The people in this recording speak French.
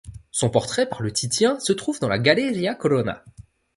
Son portrait par le Titien se trouve dans la Galleria Colonna.